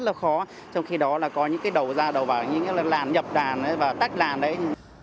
trong khi đó là có những cái đầu ra đầu vào những cái làn nhập đàn và tách đàn đấy